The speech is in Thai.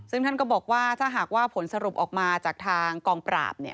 ซึ่งท่านก็บอกว่าถ้าหากว่าผลสรุปออกมาจากทางกองปราบ